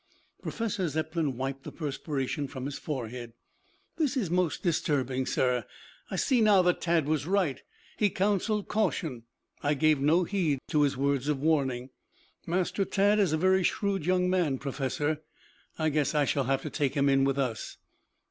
Professor Zepplin wiped the perspiration from his forehead. "This is most disturbing, sir. I see now that Tad was right. He counseled caution. I gave no heed to his words of warning." "Master Tad is a very shrewd young man, Professor. I guess I shall have to take him in with us."